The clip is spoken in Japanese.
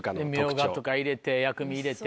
みょうがとか入れて薬味入れて。